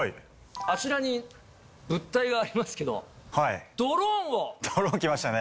あちらに物体がありますけど、ドローン来ましたね。